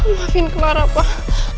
maafin clara pak